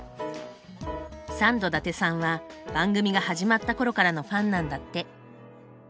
サンド伊達さんは番組が始まった頃からのファンなんだって。